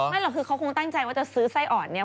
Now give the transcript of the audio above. หรอกคือเขาคงตั้งใจว่าจะซื้อไส้อ่อนเนี่ย